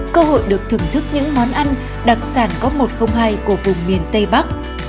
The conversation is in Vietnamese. cơ hội được thưởng thức những món ăn đặc sản có một không hai của vùng miền tây bắc